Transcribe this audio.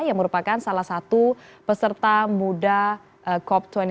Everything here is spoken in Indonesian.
yang merupakan salah satu peserta muda cop dua puluh